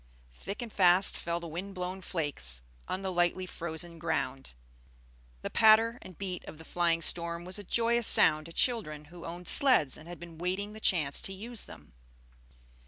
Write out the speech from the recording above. Thick and fast fell the wind blown flakes on the lightly frozen ground. The patter and beat of the flying storm was a joyous sound to children who owned sleds and had been waiting the chance to use them.